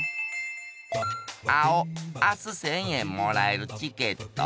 あおあす１，０００えんもらえるチケット。